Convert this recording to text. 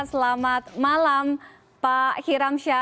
selamat malam pak hiramsyah